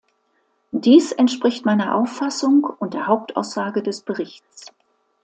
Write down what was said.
Dies entspricht meiner Auffassung und der Hauptaussage des Berichts.